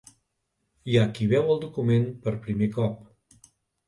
Hi ha qui veu el document per primer cop.